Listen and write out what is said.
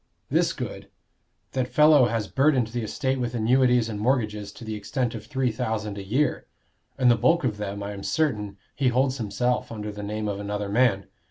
This good: that fellow has burdened the estate with annuities and mortgages to the extent of three thousand a year; and the bulk of them, I am certain, he holds himself under the name of another man.